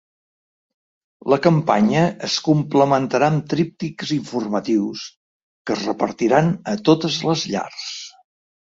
La campanya es complementarà amb tríptics informatius que es repartiran a totes les llars.